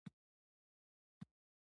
په پردو به جرګې نه کوو.